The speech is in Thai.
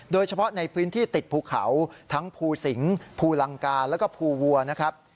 โดยเฉพาะในพื้นที่ติดภูเขาทั้งภูสิงภูลังกาแล้วก็ภูวัวนะครับ